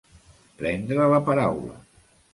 Prendre la paraula.